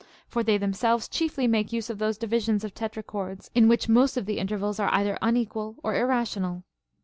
For they themselves chiefly make use of those divisions of tetrachords in which most of the intervals are either unequal or irrational.